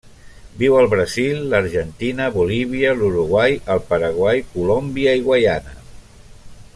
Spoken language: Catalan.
Viu al Brasil, l'Argentina, Bolívia, l'Uruguai, el Paraguai, Colòmbia i Guaiana.